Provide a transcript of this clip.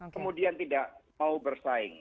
kemudian tidak mau bersaing